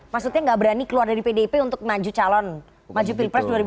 maksudnya tidak berani keluar dari pdp untuk maju calon maju pilpres dua ribu dua puluh empat